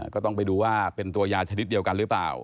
ก็ต้องไปดูว่าเป็นตัวยาชนิดเดียวกันหรือเปล่า